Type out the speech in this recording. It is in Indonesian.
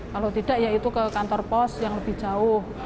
kalau tidak ya itu ke kantor pos yang lebih jauh